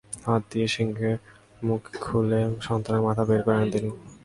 হাত দিয়ে সিংহের মুখ খুলে সন্তানের মাথা বের করে আনেন তিনি।